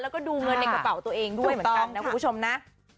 แล้วก็ดูเงินในกระเป๋าตัวเองด้วยเหมือนกันนะคุณผู้ชมนะ